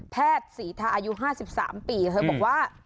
แพทย์ศรีทะอายุ๕๓ปีเขาบอกว่า